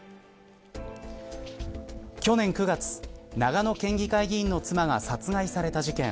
去年９月、長野県県議会議員の妻が殺害された事件。